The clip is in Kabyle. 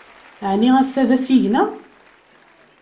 Ɛni ass-a d asigna?